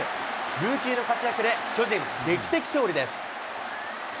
ルーキーの活躍で、巨人、劇的勝利です。